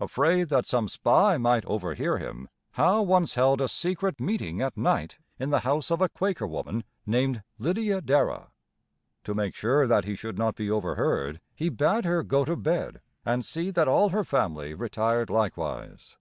Afraid that some spy might overhear him, Howe once held a secret meeting at night in the house of a Quaker woman, named Lydia Darrah. To make sure that he should not be overheard, he bade her go to bed, and see that all her family retired likewise.